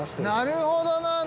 なるほどな！